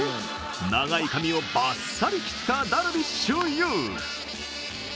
長い髪をバッサリ切ったダルビッシュ有。